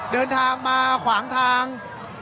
เดินทางมาขวางทาง